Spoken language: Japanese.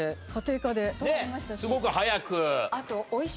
ねえすごく早く。